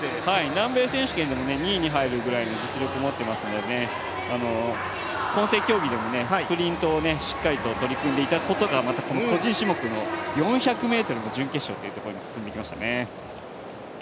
南米選手権でも２位に入るぐらいの実力を持っていますので混成競技でもスプリントにしっかりと取り組んでいたことからもまたこの個人種目の４００ｍの準決勝に進んできましたね。